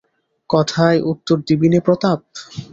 কথায় উত্তর দিবি নে প্রতাপ?